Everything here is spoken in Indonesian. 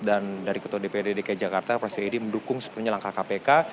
dan dari ketua dprd dki jakarta prasetyo edi mendukung sepenuhnya langkah kpk